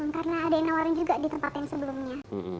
karena ada yang nawarin juga di tempat yang sebelumnya